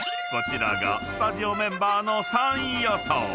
［こちらがスタジオメンバーの３位予想］